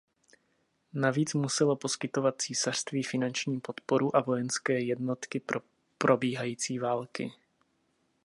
Navíc muselo poskytovat císařství finanční podporu a vojenské jednotky pro probíhající války.